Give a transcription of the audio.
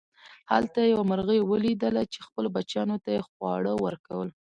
هلته یې یوه مرغۍ وليدله چې خپلو بچیانو ته یې خواړه ورکول.